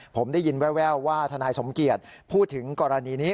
ผมได้ยินแววว่าทนายสมเกียจพูดถึงกรณีนี้